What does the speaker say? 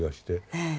ええ。